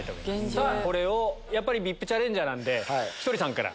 さぁこれをやっぱりＶＩＰチャレンジャーなんでひとりさんから。